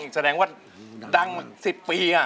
แสดงว่าดัง๑๐ปีอ่ะฮะ